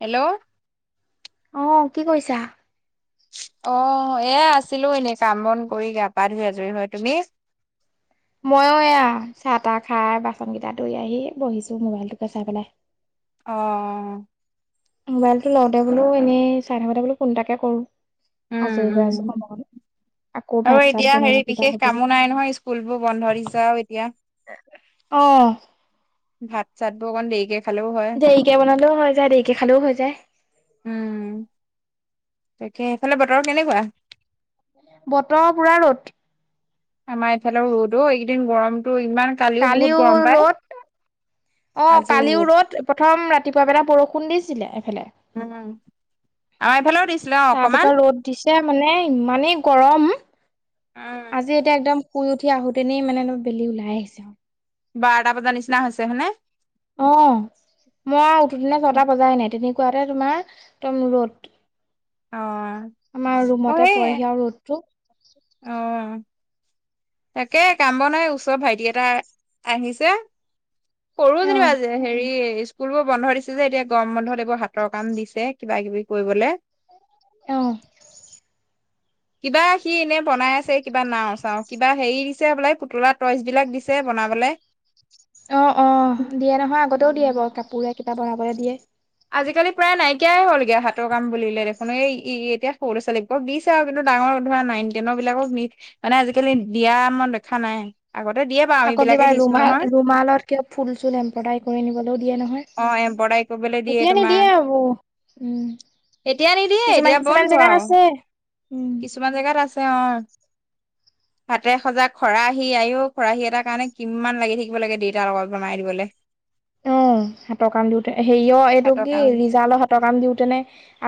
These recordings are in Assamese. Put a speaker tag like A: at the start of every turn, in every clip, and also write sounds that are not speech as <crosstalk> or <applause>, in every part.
A: হেল্ল',
B: অ, কি কৰিছা।
A: অ, এ আছিলো এনেই কাম বন কৰি গা পা ধু আজৰি হয় তুমি?
B: মইো এয়া চাহ তাহ খাই বাচন কেইটাতৰি আহি বহিছো মোবাইলটোকে চাই পেলাই।
A: অ',
B: মোবাইলতটো লওতে বোলো এনেই চাই থাকোতে বো কোনটাকে কৰো।
A: উম
B: আজৰি হৈ আছো
A: উম
B: সমমান
A: আৰু এতিয়া হেৰি বিশেষ কামো নাই নহয় স্কুলবোৰ বন্ধ দিছাও এতিয়া
B: আহ।
A: ভাত চাটব অকণ দেৰিকে খালেও হয়
B: দেৰিকে বনালেও হৈ যায় দেৰিকে খালেও হৈ যায়।
A: উম তাকে সফালে বতৰৰ কেনেকুৱা?
B: বতৰ পূৰা ৰ'দ।
A: আমাৰ এইফালে ৰ'দো এইকেইদিন গৰমতটো ইমান কালিও বহুত গৰম পায়।
B: অ কালিও ৰদ প্ৰথম ৰাতিপুৱা বেলা বৰষুণ দিছিলে। এফালে।
A: আমাৰ এফালেও দিছিলে অ অকমান।
B: এতিয়া মানে ইমানেই গৰম আজি এতিয়া একদম শুই উঠি আহোতেনেই মানে অ বেলি ওলাই আহিছে আৰু।
A: বাৰটা বজাৰ নিচিনা হৈছে হয় নে?
B: অ মই উঠো দিনা ছটা বজাই ন তেনে কোৱাতে তোমাৰ একদম ৰ'দ।
A: অ
B: আমাৰ ৰুমতে পৰেহি আৰু ৰ'দটো।
A: আহ। তাকে কাম ব নাই ওচৰ ভাইটি এটা আহিছে। সৰু
B: অ
A: যেনিবা আজ হেৰি স্কুল বোৰ বন্ধ দিছে যে এতিয়া গম বন্ধত এইবোৰ হাতৰ কাম দিছে কিবা কিবি কৰিবলে।
B: আহ।
A: কিবা সি এনে বনাই আছে কিবা নাও চাও কিবা হেৰি দিছে বোলে পুতলা টইচ বিলাক দিছে ব নাবলে।
B: অ অ দিয়ে নহয় আগতেও দিয়ে বাৰু কাপোৰে কিবা বনাবলৈ দিয়ে।
A: আজিকালি প্ৰায় নাইকিয়াই হ'লগৈ হাতৰ কাম বুলিলে দেখোনো এই ই এতিয়া সৰু ছোৱালীবোৰক দিছে আৰু কিন্তু ডাঙৰ ধৰা নাইনটেনৰ বিলাকক নি মানে আজিকালি দিয়া মই দেখা নাই। আগতে দিয়ে বাৰু আমি
B: আকৌ
A: বিলাকে
B: কিবা
A: দিছো
B: ৰুমাল
A: নহয়
B: ৰুমালত কিয় ফুল চুল এম্প্ৰডাই কৰি নিবলৈও দিয়ে
A: অ এম্ব্ৰইডাৰী কৰিবলৈ
B: নহয়।
A: দিয়ে
B: এতিয়া
A: তোমাৰ
B: নিদিয়ে এইবোৰ উম।
A: এতিয়া নিদিয়ে এতিয়া
B: কিছুমান
A: বন্ধ
B: কিছুমান
A: আৰু
B: জেগাত আছে। উম
A: কিছুমান জেগাত আছে অ।
B: <inaudible>
A: হাতে সজা খৰাহী আও খৰাহী এটাৰ কাৰণে কিমানমান লাগি থাকিব লাগে দেউতাৰ লগত বনাই দিবলৈ।
B: অ। হাতৰ কাম দিওতে হেৰিয় এইটো
A: ভাতৰ
B: কি
A: কাৰণে
B: ৰিজালৰ হাতৰ কাম দিওঁতেনে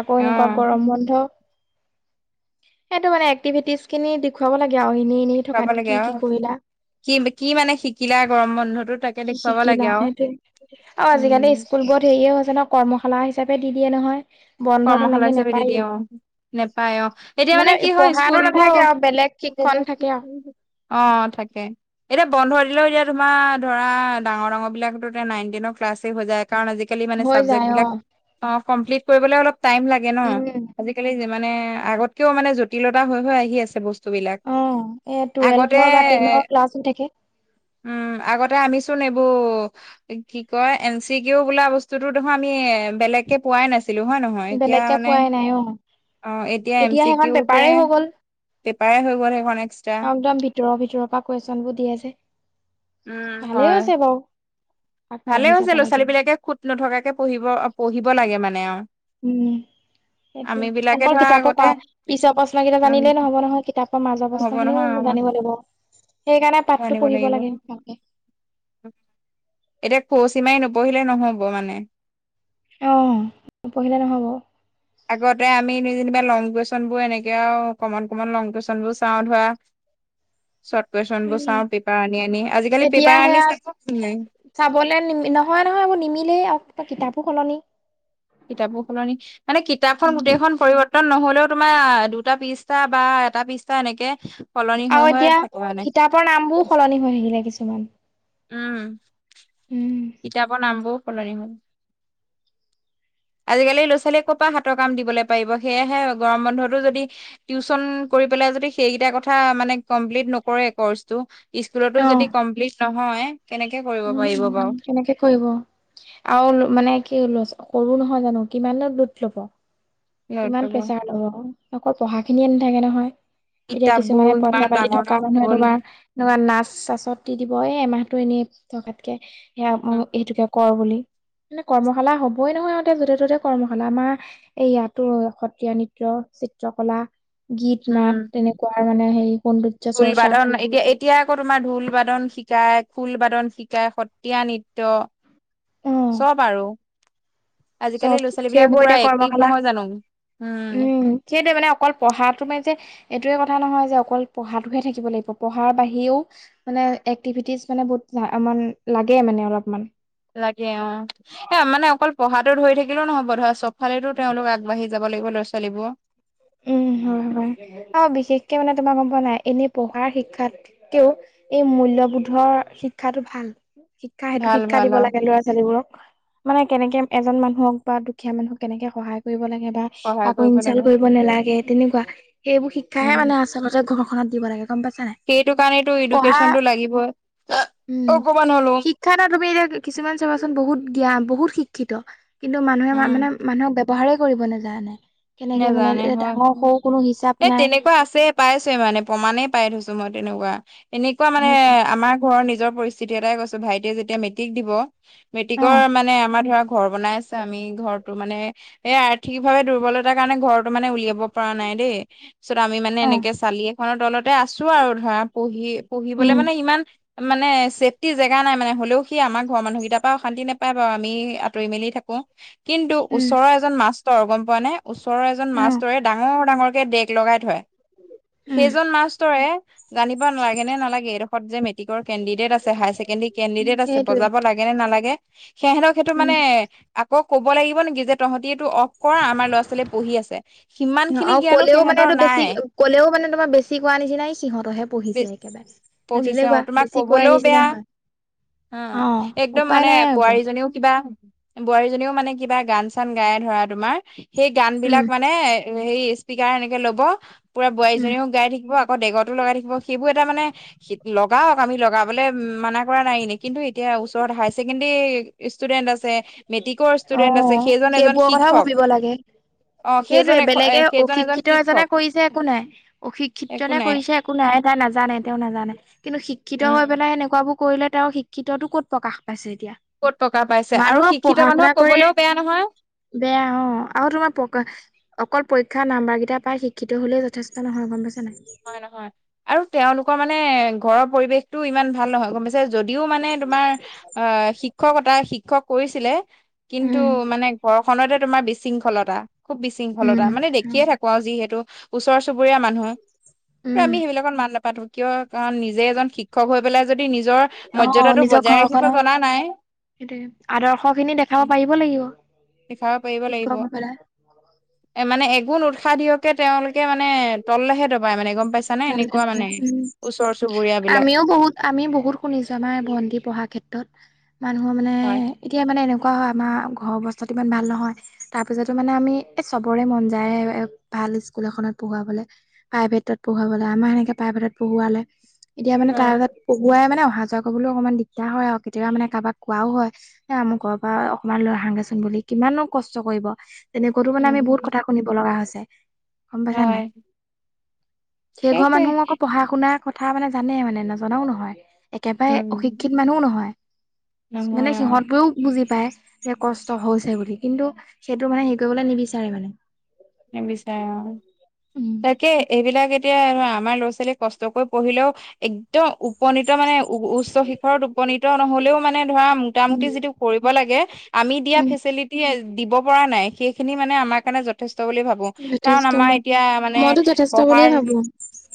B: আকৌ এনেকুৱা
A: অ',
B: গৰম বন্ধ সেইটো মানে এক্টিভিটিজ খিনি দেখুৱাব লাগে আৰু। নি নি
A: খুৱাব
B: থকাত
A: লাগে
B: কি কি
A: আৰু
B: কৰিলা।
A: কি কি মানে শিকিলে গৰম বন্ধটো তাকে দেখুৱাব লাগে আৰু।
B: অ আজিকালি
A: উম,
B: স্কুল বোৰত হেৰিয়ে হৈছে ন কৰ্মশালা হিচাপে দি দিয়ে নহয়। বন্ধ
A: কৰ্মশালা
B: তেনেকে
A: হিচাপে দি দিয়ে
B: নেপায়েই
A: অ নোপায় অ এতিয়া মানে কি হয়
B: পঢ়াটো
A: স্কুল
B: নাথাকে
A: বোৰ
B: আৰু বেলেগ শিক্ষণ থাকে আৰু
A: অ থাকে এতিয়া বন্ধ দিলেও তোমাৰ ধৰা ডাঙৰ ডাঙৰ বিলাকো নাইন টেনৰ ক্লাছে হৈ যায়। কাৰণ আজিকালি মানে
B: হৈ
A: চাবজেক্ট
B: যায় অ
A: বিলাক অ কমপ্লিট কৰিবলৈ টাইম লাগে ন
B: উম
A: আজিকালি যিম মানে আগতকেও মানে জটিলতা হৈ আহি আছে বস্তু বস্তুবিলাক।
B: অ এ
A: আগতে-
B: টুৱেলভৰ বা টেনৰ ক্লাছো থাকে
A: উম আগতে আমিচোন এইবোৰ কি কয় এন চি কেও বোলা বস্তুতো দেখোন আমি বেলেগকে পোৱাই নাছিলো হয় নহয়। এতিয়া
B: বেলেগকে
A: মানে
B: পোৱাই নাই অ
A: অ এতিয়া এম চি
B: সেইখন
A: কিউ টোৱে
B: পেপাৰেই হৈ গ'ল
A: পেপাৰে হৈ গ'ল সেইখন এক্সট্ৰা।
B: একদম ভিতৰৰ ভিতৰৰ পৰা কুৱেশচন বোৰ দিয়ে যে
A: উম
B: ভালেই
A: হয়।
B: হৈছে বাৰু
A: ভালে
B: আগবাঢ়ি যাব
A: হৈছে ল'ৰা
B: লাগে
A: ছোৱালী বিলাকে খুত নথকাকে পঢ়িব পঢ়িব লাগে মানে আৰু।
B: উম সেইটো
A: আমি বিলাকে
B: অকল
A: ধৰা
B: কিতাপো
A: আগতে
B: প পিছৰ প্ৰশ্ন কেইটা
A: উম
B: জানিলে নহব নহয় কিতাপ মাজৰ
A: নহ'ব
B: অৱস্থা
A: নহয়
B: খিনিও
A: অ
B: জানিব লাগিব, সেইকাৰণে পাতটো
A: আনিব
B: পঢ়িব
A: লাগিব
B: লাগে ভালকে।
A: এতিয়া সৰসিমাই নপঢ়িলে নহ'ব মানে
B: অ' পঢ়িলে নহব
A: আগতে আমি যেনিবা লং কুৱেশনবোৰ এনেকে আৰু কমন কমন লং কুৱেশনবোৰ চাওঁ ধৰা।
B: <unintelligible>
A: চৰ্ট কুৱেশন বোৰ
B: উম
A: চাওঁ পেপাৰ আনি আনি আজিকালি পেপাৰ আনি চে নাই।
B: চাবলৈ নি নহয় নহয় এইবোৰ নিমিলেই আৰু কিতাপো সলনি
A: কিতাপৰ সলনি মানে কিতাপখন গোটেইখন পৰিৱৰ্তন বৰ্তন নহলেও তোমাৰ দুটা পিচটা বা এটা পিচটা এনেকে সলনি হৈ
B: আৰু
A: হৈ
B: এতিয়া
A: থাকে মানে
B: কিতাপৰ নামবোৰ সলনি হৈ থাকিলে কিছুমান।
A: উম, কিতাপৰ নামবোৰ সলনি হ'ল।
B: <unintelligible>
A: আজকালি ক'ৰ পৰা হাতৰ কাম দিবলৈ পাৰিব সেয়ে গৰম বন্ধতো যদি টিউচন কৰি পেলাই যদি সেইকেইটা কথা মানে কমপ্লিট নকৰে কৰচটো। স্কুলতো
B: অ
A: যদি কমপ্লিট নহয় কেনেকে কৰিব
B: উম
A: পাৰিব
B: উম
A: বাৰু।
B: সেনেকে কৰিব আৰু মানে কি হল কৰো নহয় জানো কিমান লোড ল'ব। কিমান
A: সিহঁতবোৰ
B: প্ৰেচাৰ লবো পঢ়া খিনিয়ে নাথাকে নহয়। এতিয়া
A: কিতাপ বোৰো
B: কিছুমানে পইচা
A: ইমান
B: পাতি
A: ডাঙৰ
B: থকা
A: ডাঙৰ
B: মানুহে
A: হ'ল
B: তোমাৰ এনেকোৱা নাচ চাছত দি দিব এই এমাহতটো এনেই থকাতকে সেয়া এইটোকে কৰ বুলি মানে কৰ্মশালা হবই নহয় আহঁতে য'তে ত'তে কৰ্মশালা আমাৰ এই ইয়াত সত্ৰীয়া নৃত্য চিত্ৰকলা গীত নাত তেনেকুৱা মানে সে
A: ঢোলবাদন এতিয়া এতিয়া আকৌ তোমাৰ ঢোল বাদন শি শিকায় খোল বাদন শিকায় সত্ৰীয়া নৃত্য
B: অ
A: চব আৰু।
B: চব
A: আজিকালি ল'ৰা ছোৱালী
B: সেইবোৰ
A: বিলাক পুৰা
B: এতিয়া
A: এক্টিভ
B: কৰ্মশালা
A: নহয় জানো
B: উম, সেইটোৱে মানে অকল পঢ়াটো মানে যে এইটোৱে কথা নহয় যে অকল পঢ়াটোহে থাকিব লাগিব পঢ়াৰ বাহিৰেও মানে এক্টিভিটিজ মানে বহুত মান লাগে মানে অলপমান।
A: লাগে অ এ মানে অকল পঢ়াটো ধৰি থাকিলেও নহ'ব ধৰা চব। ফালেতো তেওঁলোক আগবাঢ়ি যাব লাগিব লৰ' ছোৱালীবোৰ
B: উম। অ বিশেষকে মানে তোমাৰ গম পোৱা নাই এনেই পঢ়াৰ শিক্ষাতকেও এই মূল্য। বোধৰ শিক্ষাটো ভাল শিক্ষা সেইটো
A: ভাল
B: শিক্ষা
A: ভাল
B: দিব
A: অ
B: লাগে ল'ৰা ছোৱালীবোৰক মানে। কেনেকে এজন মানুহক বা দুখীয়া মানুহক কেনেকে সহায় কৰিব লাগে বা
A: সহায়
B: আকৌ ইন
A: কৰিব লাগিব
B: দ নালাগে তেনেকুৱা সেইবোৰ শিক্ষাহে
A: উম
B: মানে আচলতে ঘৰখনত দিব লাগে। গম পাইছা নাই
A: সেইটো কাৰনেটো
B: পঢ়া
A: এডুকেশ্যন টো লাগিব।
B: উম, শিক্ষা ন তুমি এতিয়া কিছুমান চাবাচোন বহুত জ্ঞান বহুত। শিক্ষিত কিন্তু মানুহে
A: উম
B: মানে মানুহক ব্যৱহাৰ কৰিব নেযায় নে। এনেকে মানে
A: নেজানে
B: এ ডাঙৰ
A: হয়
B: সৰু কোনো। হিচাপ
A: এ
B: নাই
A: তেনেকুৱা আছে পাইছো মানে প্ৰমানেই পাই থৈছো মই তেনেকুৱা। এনেকুৱা মানে
B: সেইটোৱে
A: আমাৰ ঘৰৰ নিজৰ পৰিস্থিতি এটাই কৈছো ভাইটিয়ে যেতিয়া মেট্ৰিক দিব।
B: অ
A: মেটিকৰ মানে আমাৰ ধৰা। ঘৰ বনাই আছো আমি ঘৰটো মানে এ আৰ্থিক ভাৱে দুৰ্বলত। তাৰ কাৰণে ঘৰটো মানে উলিয়াব পৰা নাই দেই পিছত আমি মানে
B: অ',
A: এনেকে চালিয়। নৰ তলতে আছো আৰু ধৰা পঢ়ি পঢ়িবলে
B: উম,
A: মানে ইমান মানে চছেফটি জেগা নাই মানে হলেও সি আমাৰ ঘৰৰ মানুহকেইটাৰ পৰা অশান্তি নাপায় বাৰু আমি আতৰি মেলি থাকো। কিন্তু ওচৰৰ এজন মাষ্টৰ গম পোৱা নাই ওচৰৰ এজন
B: অ',
A: মাষ্টৰে ডাঙৰ-ডাঙৰ। ডেগ লগাই থয় সেইজন মাষ্টৰে। জানিব নালাগে নে নালাগে এডোখৰত যে ম কেণ্ডিডেট আছে হায়াৰ ছেকেণ্ডৰী কেণ্ডিডেট আছে
B: সেইটোৱে।
A: বজাব লাগে নে নালাগে। সেহেঁতক সেইটো
B: উম।
A: মানে আকৌ ক'ব লাগিব নেকি যে তহঁতিটো অফ কৰা আমাৰ ল'ৰা ছোৱালীয়ে পঢ়ি আছে। সিমান খিনি
B: অ',
A: জ্ঞানো
B: ক'লেও মানে
A: সিহঁতৰ
B: এইটো বেছি,
A: নাই
B: ক'লেও মানে তোমাৰ বেছি কৰা নিচিনাই এই সিহঁতৰহে পঢ়িছে একেবাৰে
A: পঢ়িছে
B: তেনেকুৱা,
A: তোমাক
B: বেছি কোৱাৰ
A: কবলৈও
B: নিচিনা
A: বেয়া
B: হয়।
A: অ', একদম
B: উপায়
A: মানে
B: নাই আকৌ।
A: বোৱাৰীজনীও কিবা বোৱাৰী জনিও মানে কিবা গান চান গাই ধৰা তোমাৰ সেই গান
B: উম,
A: বিলাক মানে হেই স্পীকাৰ এনেকে ল'ব পুৰা
B: উম,
A: বোৱাৰীজনীও গাই থাকিব। দেগতো লগাই থাকিব সেইবোৰ এটা মানে লগাওঁক, আমি লগাবলৈ মানা কৰা নাই এনে কিন্তু, এতিয়া। ওচৰত হায়াৰ ছেকেণ্ডৰী ষ্টুডেন্ট আছে। মেট্ৰিকৰ ষ্টুডেন্ট আছে
B: অ'
A: সেইজন এজন
B: সেইবোৰৰ কথা
A: শিক্ষক
B: ভাবিব লাগে।
A: অ সেইজন
B: সেইটোয়ে
A: এ
B: বেলেগে
A: সেইজন এজন
B: অশিক্ষিত
A: শিক্ষক
B: এজনে কৰিছে একো নাই
A: একো
B: অশিক্ষিতজনে
A: নাই
B: কৰিছে একো নাই তাই নাজ জানে তেওঁ নাজানে, কিন্তু শিক্ষিত
A: উম
B: হৈ পেলাই এনেকুৱাবোৰ কৰিলে তেওঁৰ শিক্ষিততটো ক'ত প্ৰকাশ পাইছে। এতিয়া।
A: ক'ত টকাৰ পাইছে আৰু
B: মানুহক
A: শি
B: পঢ়া শুনা কৰি বেয়া অ' আৰু তোমাৰ পকা অকল পৰীক্ষাত নাম্বাৰ কেইটা পাই শিক্ষিত হ'লেও যথেষ্ট নহয় গ'ম পাইছনে নাই।
A: হয়, নহয় আৰু তেওঁলোকৰ মানে ঘৰৰ পৰিৱেশতটো ইমান ভাল নহয় গ'ম পাইছে। যদিও মানে তোমাৰ অ' শিক্ষকতা শিক্ষক কৰিছিলে। কিন্তু
B: উম
A: মানে ঘৰখনতে তোমাৰ বিশৃংখলতা। খুব বিশৃংখলতা মানে দেখিয়ে থাকোঁ আৰু যিহেতু ওচৰ চুবুৰীয়া মানুহ। কিন্তু আমি
B: উম
A: সেইবিলাকত মাত নাপাতোঁ। কিয় কাৰণ নিজে এজন শিক্ষক হৈ পেলাই যদি যদি নিজৰ
B: অ
A: মৰ্যদাটো
B: নিজৰ
A: বজাই ৰাখিব
B: ঘৰখনৰ
A: জনা নাই।
B: সেইটোৱে আদৰ্শ খিনি দেখাব পাৰিব লাগিব।
A: লিখাব পাৰিব লাগিব
B: শিক্ষক হৈ পেলাই
A: এ মানে একো নু খা দিয়কে তেওঁলোকে মানে তললেহে দৰবায় মানে গ'ম পাইছানে এনেকুৱা মানে
B: উম
A: ওচৰৰ চু
B: আমিও বহুত আমিও বহুত শুনিছোঁ আমাৰ ভণ্টি পঢ়াৰ ক্ষেত্ৰত। কাৰণ মই মানে
A: হয়
B: এতিয়া মানে এনেকুৱা এনেকুৱা হয়, আমাৰ ঘৰৰ অৱস্থাটো ইমান ভাল নহয়। তাৰপিছতো মানে আমি এই চবৰে মন যায় ভাল স্কুল এখনত পঢ়োৱাবলৈ প্ৰাইভেটত পঢ়ুৱাবলৈ আমাৰ সেনেকে প্ৰাইভেটত পঢ়োৱালে, এতিয়া মানে
A: অ
B: <unintelligible> পঢ়ুৱাই মানে অহা যোৱা কৰিবলৈও অকনমান দিগদাৰ হয়, আৰু কেতিয়াবা মানে কাবাক কোৱাও হয়, এ আমুকৰ পৰা অকণমান লৈ আহাগে চোন বুলি কিমাননো কষ্ট কৰিব। তেনেকুৱাতো মানে
A: উম,
B: আমি বহুত কথা শুনিব লগা হৈছে। গম পাইছা নে
A: হয়
B: নাই? সেইঘৰ
A: সেইটোৱে
B: মানুহ আকৌ পঢ়া শুনা কথা মানে জানে মানে, নজনাও নহয়। একেবাৰে
A: উম,
B: অশিক্ষিত মানুহো নহয়,
A: নহয়
B: মানে
A: অ'
B: সিহঁতবোৰো বুজি পায়। যে, কষ্ট হৈছে বুলি, কিন্তু সেইটো মানে হেৰি কৰিবলৈ নিবিচাৰে মানে।
A: নিবিচাৰে অ',
B: উম,
A: তাকে, এইবিলাক এ তিয়া ধৰা আমাৰ ল'ৰা ছোৱালীয়ে কষ্ট কৰি পঢ়িলেও একদম উপনীত মানে উচ্চ শিখৰত উপনীত নহ'লেও, মানে ধৰা
B: উম,
A: মোটামুটি যিটো কৰিব লাগে, আমি দিয়া
B: উম,
A: ফেচে লিটীয়ে দিব পৰা নাই। সেইখিনি মানে আমাৰ কাৰণে যথেচ ত, বুলি ভাবোঁ। কাৰণ
B: যথেষ্ট
A: আমাৰ
B: মই
A: এতিয়া মানে,
B: মইতো যথেষ্ট বুলিয়ে
A: পঢ়াৰ
B: ভাবো।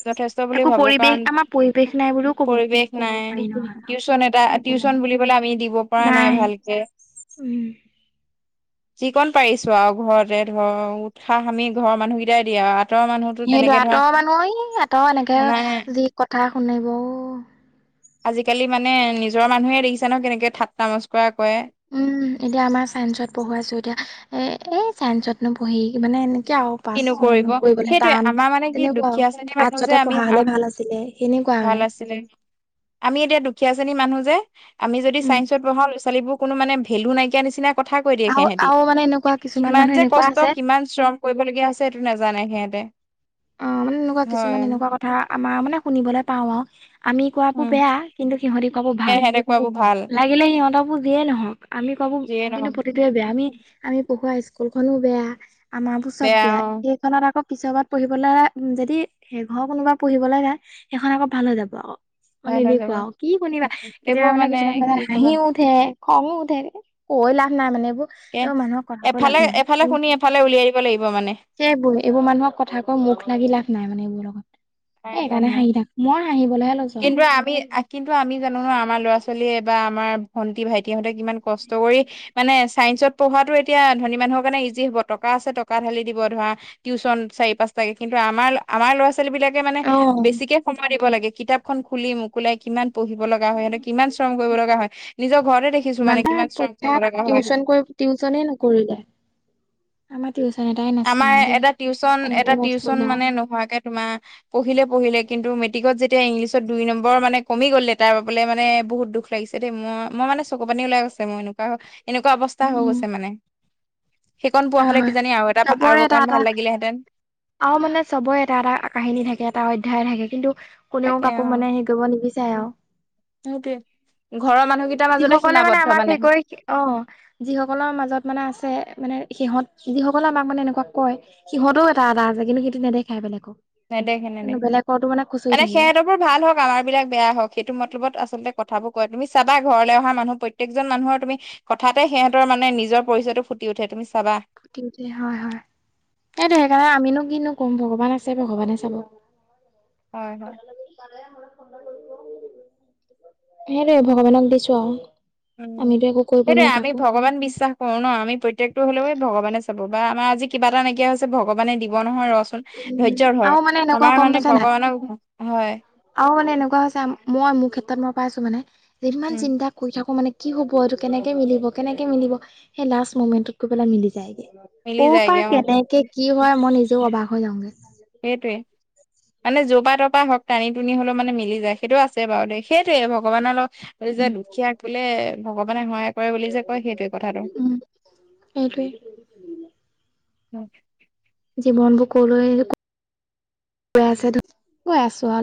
A: যথেষ্ট বুলি
B: একো
A: ভাবোঁ,
B: পৰিৱেশ
A: কাৰণ
B: আমাৰ পৰিৱেশ নাই বুলিও ক'ব
A: পৰিৱেশ
B: ক'ব পাৰি
A: নাই,
B: নহয়।
A: টিউচন এটা
B: সেইটোৱে
A: টিউ
B: মানে
A: চন বুলিব'লে আমি দিব পৰা নাই ভালকে।
B: উম।
A: যিকণ পাৰিছোঁ আৰু ঘৰতে ধৰক, উৎসাহ আমি ঘৰৰ মানুহকিটাই দিয়া।
B: সেইটো আঁতৰৰ মানুহ ই আঁতৰ এনেকে,
A: নাই
B: যি কথা শুনিব অ'
A: আজিকালি মানে নিজৰ মানুহে দেখিছা নহয়, কেনেকে ঠাট্টা মচকৰা
B: উম, এতিয়া আমাৰ চাইন্সত পঢ়োৱাইছো এতিয়া, এ-এই চাইন্সতনো পঢ়ি মানে এনে <unintelligible> পাছ
A: কিনো কৰিব
B: হেনো কৰিবলে
A: সেইটোৱে
B: টান,
A: আমাৰ মানে কি
B: তেনেকুৱা আৰু,
A: দুখীয়া শ্ৰেণীৰ মানুহ যে
B: আৰ্টচতে
A: আমি
B: পঢ়া হ'লে ভাল আছিলে। সেনে
A: ভাল আছিলে, আমি এতিয়া দুখীয়া শ্ৰেণীৰ মানুহ যে, আমি যদি
B: উম
A: চাইঞ্চত পঢ়াও ল'ৰা-ছোৱালীবোৰ কোনো মানে ভেলু নাইকিয়া নিচিনা কথা কৈ দিয়ে
B: আৰু
A: সেহঁতি,
B: আৰু মানে এনেকুৱা কিছুমান
A: কিমান
B: মানুহ
A: যে
B: এনেকুৱা
A: কষ্ট,
B: আছে
A: কিমান শ্ৰম কৰিবলগীয়া হৈছে টো, নাজানে সিহেঁতে।
B: অ মানে এনেকুৱা কিছুমান এনেকুৱা কথা আমাৰ মানে, শুনিবলে পাওঁ আওঁ। আমি কোৱাবোৰ
A: উম
B: বেয়া, কিন্তু সিহঁতি কোৱাবোৰ
A: এ
B: ভাল।
A: সেনেকুৱাবোৰ ভাল
B: লাগিলে সিহঁতবোৰ যিয়েই নহওঁক। আমি কোৱাবো,
A: যিয়ে
B: কিন্তু
A: নহওক
B: প্ৰতিটোৱে বেয়া। আমি, আমি পঢ়োৱা স্কুলখনো বেয়া আমাৰ বোৰ চব বেয়া। এইকনত আকৌ পিছৰবাৰত পঢ়িবলে যদি সেইঘৰৰ কোনোবা পঢ়িবলৈ যায়, সেইখন আকৌ ভাল হৈ যাব। মানে
A: ভাল হৈ যাব
B: এনেকুৱা আও, কি শুনিবা, কেতিয়াবা
A: এইবোৰ
B: মানে কিছুমান কথাত
A: কি কবা
B: হাঁহিও উঠে। খংউ উঠে, কৈ লাভ নাই মানে এইবোৰ
A: কে
B: মানুহক কথা কৈ লাভ
A: এফালে
B: নাই।
A: এফালে শুনি এফালে উলিয়াই দিব লাগিব মানে
B: এইবোৰ এইবোৰ মানুহক কথা কৈ মুখ লাগি লাভ নাই মানে এইবোৰ লগত।
A: নাই
B: এ
A: লাভ
B: এইকাৰণে
A: নাই
B: হাঁহি থাক, মই হাঁহি
A: কিন্তু আমি, আ কিন্তু আমি জানো নহয় আমাৰ ল'ৰা ছোৱালীয়ে বা আমাৰ ভন্টি, ভাইটিহঁতে কিমান কষ্ট কৰি মানে, চাইন্সত পঢ়োৱাটো এতিয়া ধনী মানুহৰ কাৰণে ইজি হ'ব টক কা আছে, টকা ঢালি দিব। ধৰা, টিউশ্যন চাৰি, পাঁচটাকে, কিন্তু আমাৰ আমাৰ ল'ৰা-ছোৱালী বিলাক মানে
B: আৰু অ
A: বেছিকে সময় দিব লাগে, কিতাপখন খুলি মোকোলাই কিমান পঢ়িব লগা হয়, সিহঁতক কিমান শ্ৰম কৰিব লগা হয়, নিজক ঘৰতে দেখিছোঁ মানে
B: ইমানটা
A: কিমান শ্ৰম কৰিব
B: পৰীক্ষাত
A: লগা হয়।
B: টিউচন কৰি টিউচনে নকৰিলে আমাৰ টিউচন এটাই নাছিলে
A: আমাৰ
B: দেই
A: এটা টিউশ্যন, এটা
B: তেনেকে পাছ
A: টিউশ্যন
B: কৰিলে আৰু
A: মানে নোহোৱাকে তোমাৰ পঢ়িলে পঢ়িলে, কিন্তু মেট্ৰিকত যে তিয়া ইংলিছত দুই নম্বৰ মানে কমি গ'ল লেটাৰ পাবলে মানে, বহুত দুখ লাগিছে দেই মই মই মানে চকু পানী ওলাই গৈ ছে মোৰ এনেকুৱা হ'ল। এনেকুৱা অৱস্থা হৈ
B: উম
A: গৈছে মানে, সেইকন পোৱা
B: হয়
A: হ'লে
B: হয়
A: কিজানি আৰু এটা
B: চবৰে
A: আৰু
B: এটা
A: অকণমান
B: এটা
A: ভাল লাগিলেহেঁতেন।
B: আৰু মানে চবৰে এটা এটা কাহিনী থাকে, এটা অধ্যায় থাকে, কিন্তু কোনেও
A: তাকে অ
B: কাকো মানে হেৰি কৰিব নিবিচাৰে আও।
A: সেইটোয়ে ঘৰৰ মানুহ
B: যিসকলে মানে আমাক হেৰি কৰি অঁ যিসকলৰ মাজত মানে আছে, মানে সিহঁত, যিসকলে আমাক মানে এনেকুৱা কয়, সিহঁতৰো এটা আদা আছে, কিন্তু সেইটো নেদেখায় বেলেগক।
A: নেদেখে,
B: কিন্তু বেলেগৰতো মানে খুচৰি
A: নেদেখে। এনে
B: থাকিব
A: সিহঁতৰবোৰ ভাল হওঁক, আমাৰবিলাক বেয়া হওঁক, সেইটো মতলবত আচলতে কথাবোৰ কয়। তুমি চাবা ঘৰলৈ অহা মানুহ প্ৰত্যেকজন মানুহৰ তুমি কথাতে সিহঁতৰ মানে নিজৰ পৰিচয়টো ফুটি উঠে, তুমি চাবা।
B: তে হয় হয়, সেইটো সেইকাৰণে আমিনো কিনো কম ভগৱান আছে, ভগৱানে চাব।
A: হয় হয়
B: সেইটোৱে ভগৱানক দিছো আৰু।
A: উম
B: আমিতো একো কৰিব
A: সেইটোয়ে
B: নোৱাৰো
A: আমি
B: কাকো
A: ভগৱান বিশ্বাস কৰো ন আমি প্ৰত্যয়েকটো হলেও ভগৱানে চাব। বা আমাৰ আজি কিবা এটা নাইকিয়া হৈছে ভগৱানে দিব নহয় ৰ।
B: উম,
A: ধৈৰ্য্য ধৰ
B: আৰু মানে এনেকুৱা
A: আমাৰ
B: গম
A: মানে
B: পাইছা নাই
A: ভগৱানক হয়
B: আৰু মানে এনেকুৱা হৈছে মই মোৰ ক্ষেত্ৰত মই পাই আছো মানে যিমান
A: উম
B: চিন্তা কৰি থকা মানে কি হ'ব এইটো কেনেকৈ মিলিব কেনেকৈ মিলিব সেই লাষ্ট ম'মেণ্টত গৈ পেলাই মিলি যায়গৈ।
A: মিলি
B: কৰ
A: যায়গে
B: পৰা
A: অ
B: কেনেকে কি হয় মই নিজেও অবাক হৈ যাওঁগে।
A: সেইটোৱেই, মানে জপা তৰপ হওক টানি টুনি হলেও মানে মিলি যায় সেইটো আছে বাৰু দেই সেইটোৱে ভগৱানৰ লগত যে
B: উম,
A: দুখীয়া বোলে ভগৱানে হয় কৰে বুলি যে কয় সেইটোৱে কথাটো।
B: উম। সেইটোৱে
A: অ,
B: জীৱনবোৰ কলৈ গৈ আছে গৈ আছো আৰু